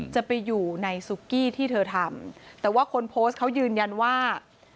จะไปอยู่ในซุกี้ที่เธอทำแต่ว่าคนโพสต์เขายืนยันว่า